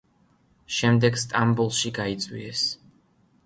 შემდეგ სტამბოლში გაიწვიეს.